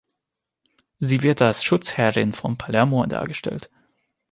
Sie wird als Schutzherrin von Palermo dargestellt.